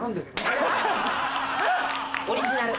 オリジナル。